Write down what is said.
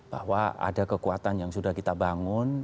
bahwa ada kekuatan yang sudah kita bangun